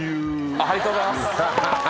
ありがとうございます。